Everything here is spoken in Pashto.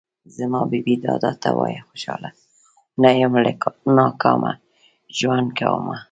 زما بې بې دادا ته وايه خوشحاله نه يم له ناکامه ژوند کومه